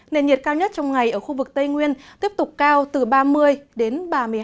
nền nhiệt cao nhất trong ngày ở khu vực tây nguyên tiếp tục cao từ ba mươi đến ba mươi hai